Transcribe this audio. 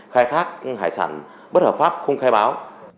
khai thác hải sản bất hợp pháp không khai báo